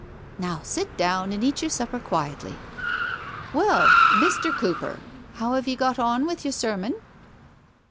"Now, sit down, and eat your supper quietly. Well, Mr. Cooper, how have ye got on with your sermon